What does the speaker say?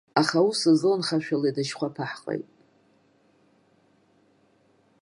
Аха аус злоу нхашәала идашьхәа ԥаҳҟеит.